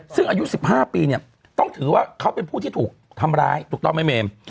ซึ่งอายุ๑๕ปีเนี่ยต้องถือว่าเขาเป็นผู้ที่ถูกทำร้ายถูกต้องไหมเมม